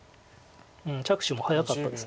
着手も早かったです。